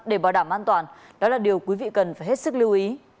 để bảo đảm an toàn đó là điều quý vị cần phải hết sức lưu ý